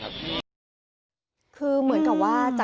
คำให้การในกอล์ฟนี่คือคำให้การในกอล์ฟนี่คือ